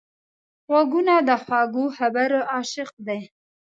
غوږونه د خوږو خبرو عاشق دي